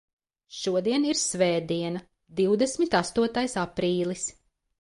Šodien ir svētdiena, divdesmit astotais aprīlis.